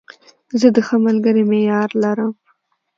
زه د ښه ملګري معیار لرم.